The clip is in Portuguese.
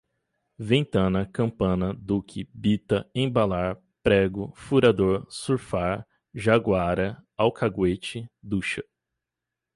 ventana, campana, duque, bita, embalar, prego, furador, surfar, jaguara, alcaguete, ducha